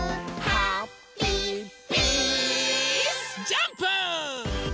ジャンプ！